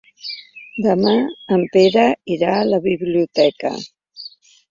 Demà en Pere irà a la biblioteca.